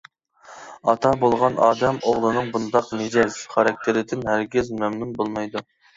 ئاتا بولغان ئادەم ئوغلىنىڭ بۇنداق مىجەز-خاراكتېرىدىن ھەرگىز مەمنۇن بولمايدۇ.